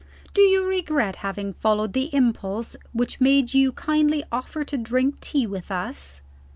Do you regret having followed the impulse which made you kindly offer to drink tea with us?"